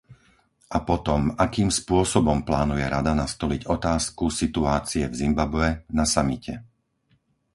A potom, akým spôsobom plánuje Rada nastoliť otázku situácie v Zimbabwe na samite?